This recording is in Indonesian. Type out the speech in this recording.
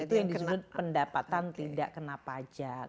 itu yang disebut pendapatan tidak kena pajak